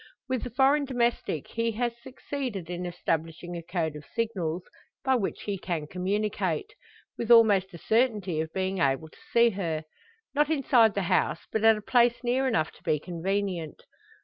With the foreign domestic he has succeeded in establishing a code of signals, by which he can communicate with almost a certainty of being able to see her. Not inside the house, but at a place near enough to be convenient.